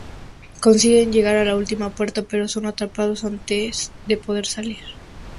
Consiguen llegar a la última puerta, pero son atrapados antes de poder salir.